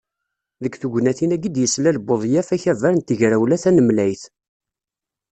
Deg tegnatin-agi i d-yeslal Buḍyaf akabar n Tegrawla Tanemlayt.